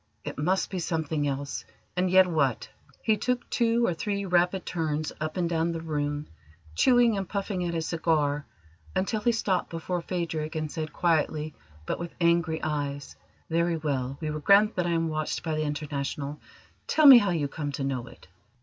It must be something else: and yet what? He took two or three rapid turns up and down the room, chewing and puffing at his cigar, until he stopped before Phadrig, and said quietly, but with angry eyes: "Very well, we will grant that I am watched by the International. Tell me how you came to know it."